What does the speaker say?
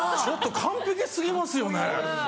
ちょっと完璧過ぎますよね。